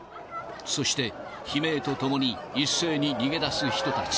そして、悲鳴とともに、一斉に逃げ出す人たち。